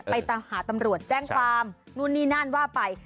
ไปหาตำรวจแจ้งความนู่นนี่นั่นว่าไป